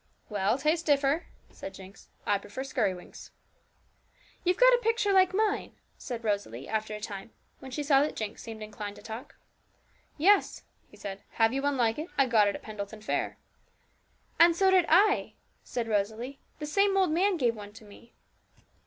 'Well, tastes differ,' said Jinx; 'I prefer Skirrywinks.' 'You've got a picture like mine,' said Rosalie, after a time, when she saw that Jinx seemed inclined to talk. 'Yes,' he said; 'have you one like it? I got it at Pendleton fair.' 'And so did I,' said Rosalie; the same old man gave one to me.